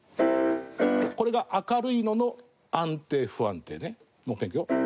これが明るいのの安定、不安定ねもう１回いくよ。